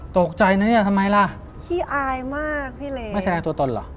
ตกใจนะเนี่ยทำไมล่ะขี้อายมากพี่เล็กไม่แสดงตัวตนเหรอ